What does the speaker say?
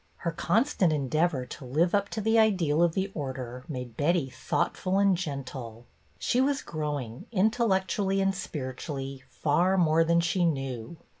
Her constant endeavor to live up to the ideal of the Order made Betty thoughtful and gentle ; she was growing, intellectually and spiritually, far more than she knew.